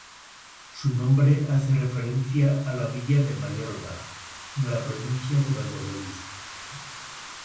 Su nombre hace referencia a la villa de Mayorga, en la provincia de Valladolid.